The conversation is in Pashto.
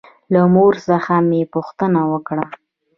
له مور څخه مې پوښتنه وکړه.